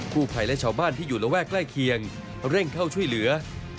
ผู้ภัยและชาวบ้านที่อยู่ระแวกใกล้เคียงเร่งเข้าช่วยเหลือ